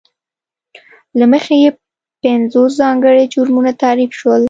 له مخې یې پینځوس ځانګړي جرمونه تعریف شول.